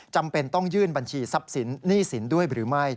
จำเป็นต้องยื่นบัญชีทรัพย์สินหนี้สินด้วยหรือไม่